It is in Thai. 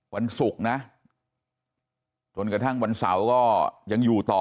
วันศุกร์นะจนกระทั่งวันเสาร์ก็ยังอยู่ต่อ